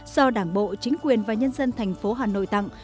do đảng bộ chính quyền và nhân dân thành phố hà nội tặng